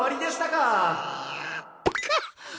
かっ！